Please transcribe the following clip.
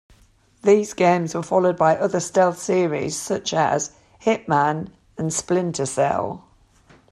These games were followed by other stealth series, such as "Hitman" and "Splinter Cell".